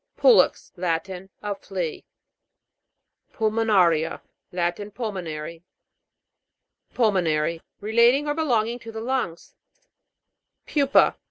PU'LEX. Latin. A flea. PULMONA'RIA. Latin. Pulmonary. PUL'MONARY. Relating or belonging to the lungs. PU'PA.